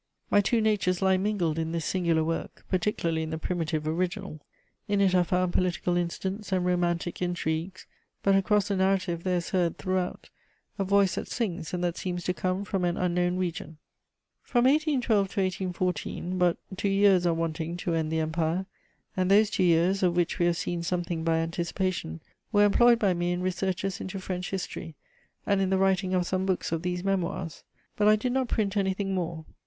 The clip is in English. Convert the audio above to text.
My two natures lie mingled in this singular work, particularly in the primitive original. In it are found political incidents and romantic intrigues; but, across the narrative, there is heard, throughout, a voice that sings and that seems to come from an unknown region. * From 1812 to 1814, but two years are wanting to end the Empire, and those two years, of which we have seen something by anticipation, were employed by me in researches into French history, and in the writing of some books of these Memoirs; but I did not print anything more.